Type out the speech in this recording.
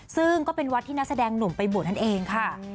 ซึ่งก็เป็นวัดที่นักแสดงหนุ่มไปบวชนั่นเองค่ะ